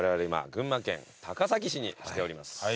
今群馬県高崎市に来ております。